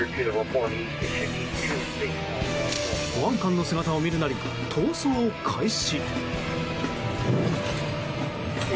保安官の姿を見るなり逃走を開始。